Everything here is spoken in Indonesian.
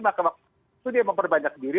maka waktu itu dia memperbanyak diri